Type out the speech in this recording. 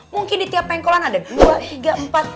mungkin di tiap pengkolan ada dua hingga empat